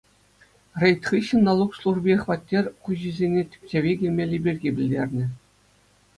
Рейд хыҫҫӑн налук служби хваттер хуҫисене тӗпчеве килмелли пирки пӗлтернӗ.